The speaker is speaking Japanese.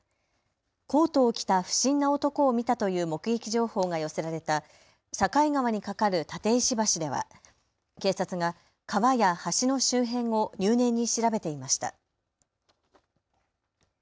コートを着た不審な男を見たという目撃情報が寄せられた境川に架かる立石橋では警察が川や橋の周辺を入念に調べていました。